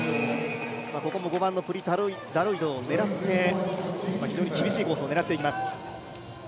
ここも５番のプリ・ダロイトを狙って、非常に厳しいコースを狙っていきます。